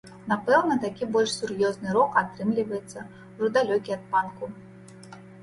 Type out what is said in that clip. Напэўна, такі больш сур'ёзны рок атрымліваецца, ужо далёкі ад панку.